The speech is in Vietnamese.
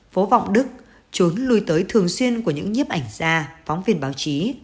phố vọng đức trốn lùi tới thường xuyên của những nhiếp ảnh ra phóng viên báo chí